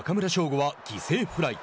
吾は犠牲フライ。